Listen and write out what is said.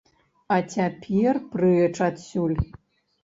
А цяпер прэч адсюль!